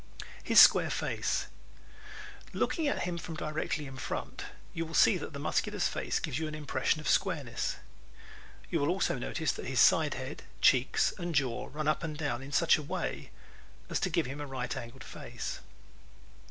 His Square Face ¶ Looking at him from directly in front you will see that the Muscular's face gives you an impression of squareness. (See Chart 6) You will also notice that his side head, cheeks and jaw run up and down in such a way as to give him a right angled face.